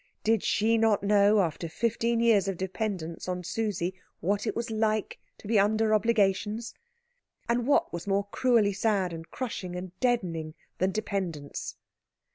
Did she not know, after fifteen years of dependence on Susie, what it was like to be under obligations? And what was more cruelly sad and crushing and deadening than dependence?